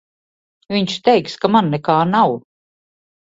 Viņš teiks, ka man nekā nav.